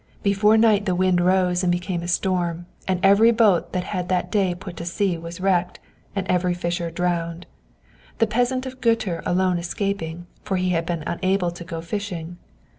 Before night the wind rose and became a storm, and every boat that had that day put to sea was wrecked, and every fisher drowned; the peasant of Götur alone escaping, for he had been unable to go out fishing.